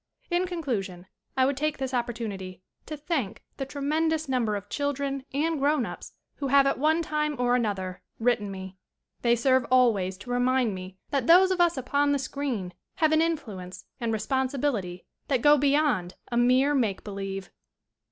In conclusion I would take this opportunity to thank the tremendous number of children and grown ups who have at one time or an other written me. They serve always to re mind me that those of us upon the screen have an influence and responsibility that go beyond a mere make believe.